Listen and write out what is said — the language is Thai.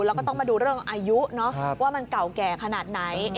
แล้วก็ต้องมาดูเรื่องอายุว่ามันเก่าแก่ขนาดไหน